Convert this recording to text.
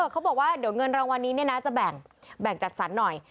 เขาบอกว่าเดี๋ยวเงินรางวัลนี้จะแบ่งจัดสรรหน่อย